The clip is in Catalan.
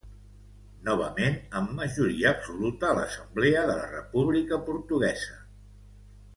Novament amb majoria absoluta a l'Assemblea de la República Portuguesa.